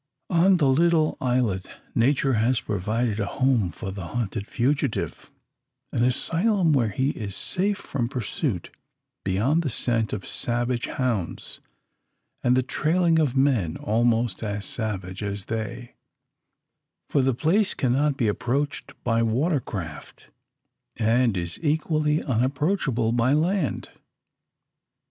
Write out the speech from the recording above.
On the little islet Nature has provided a home for the hunted fugitive an asylum where he is safe from pursuit beyond the scent of savage hounds, and the trailing of men almost as savage as they; for the place cannot be approached by water craft, and is equally unapproachable by land.